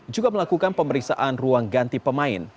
juga melakukan pemeriksaan ruang ganti pemain